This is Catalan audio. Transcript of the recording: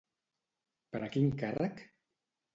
Per a quin càrrec?